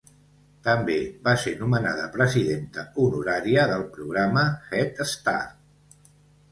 També va ser nomenada presidenta honorària del programa Head Start.